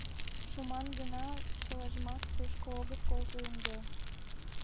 — Шуман гынат, чылажымак тушко огыт колто ынде!